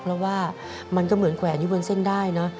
เพราะว่ามันก็เหมือนแขวนอยู่บนเส้นได้นะ